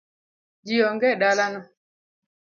Ji onge e dalano.